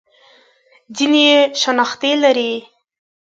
ځینې یې شنختې لري.